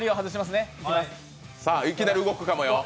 いきなり動くかもよ。